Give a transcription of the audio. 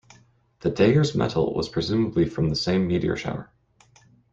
The dagger's metal was presumably from the same meteor shower.